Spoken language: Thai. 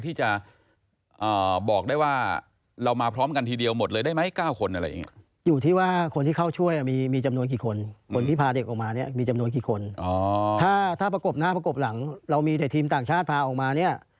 ถ้าพรุ่งนี้ถ้าเรามีแต่ทีมต่างชาติออกมาเนี่ย